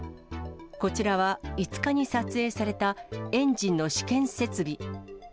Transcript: こちらは５日に撮影されたエンジンの試験設備。